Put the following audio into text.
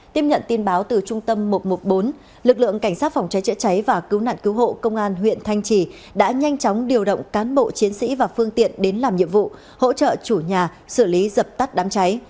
tiếp nhận tin báo từ trung tâm một trăm một mươi bốn lực lượng cảnh sát phòng cháy chữa cháy và cứu nạn cứu hộ công an huyện thanh trì đã nhanh chóng điều động cán bộ chiến sĩ và phương tiện đến làm nhiệm vụ hỗ trợ chủ nhà xử lý dập tắt đám cháy